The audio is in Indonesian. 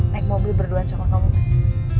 naik mobil berduaan sama kamu mas